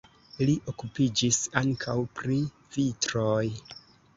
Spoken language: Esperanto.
Li okupiĝis ankaŭ pri vitroj.